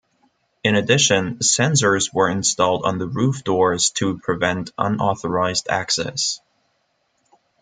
In addition, sensors were installed on the roof doors to prevent unauthorized access.